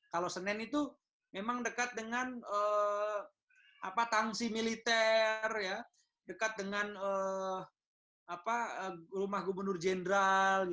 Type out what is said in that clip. kalau senen itu memang dekat dengan tangsi militer dekat dengan rumah gubernur jenderal